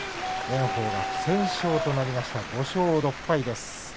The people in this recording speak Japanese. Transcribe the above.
炎鵬が不戦勝となりました５勝６敗です。